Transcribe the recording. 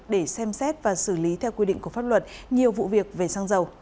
để xem xét và xử lý theo quy định của pháp luật nhiều vụ việc về xăng dầu